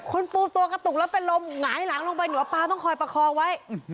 คุณปูตัวกระตุกแล้วเป็นลมหงายหลังลงไปเหนือปลาต้องคอยประคองไว้